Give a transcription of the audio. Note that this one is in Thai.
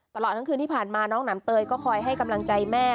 ตลอดทั้งคืนที่ผ่านมาน้องหนำเตยก็คอยให้กำลังใจแม่